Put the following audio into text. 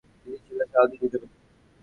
তিনি ছিলেন সালাহউদ্দিনের দ্বিতীয় পুত্র।